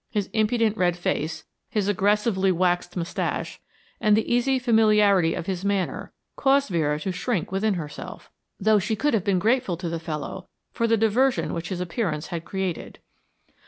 His impudent red face, his aggressively waxed moustache, and the easy familiarity of his manner, caused Vera to shrink within herself, though she could have been grateful to the fellow for the diversion which his appearance had created.